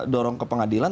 dorong ke pengadilan